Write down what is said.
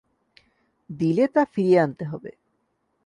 দিলে তা ফিরিয়ে আনতে হবে।